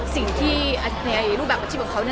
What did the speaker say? สิ่งที่ในรูปแบบอาชีพของเขา